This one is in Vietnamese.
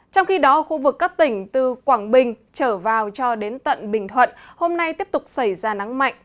trong khi đó khu vực các tỉnh từ quảng bình trở vào cho đến tận bình thuận hôm nay tiếp tục xảy ra nắng mạnh